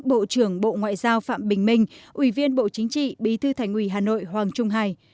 bộ trưởng bộ ngoại giao phạm bình minh ủy viên bộ chính trị bí thư thành ủy hà nội hoàng trung hải